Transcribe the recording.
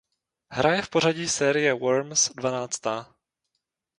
Hra je v pořadí série Worms dvanáctá.